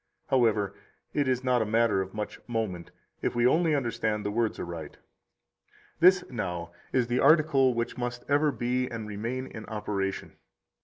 However, it is not a matter of much moment, if we only understand the words aright. 61 This, now, is the article which must ever be and remain in operation.